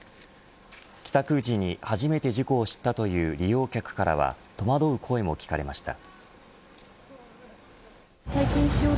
帰宅時に初めて事故を知ったという利用客からは戸惑う声も聞かれました。